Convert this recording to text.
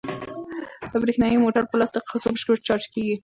دا برېښنايي موټر په لسو دقیقو کې بشپړ چارج کیږي.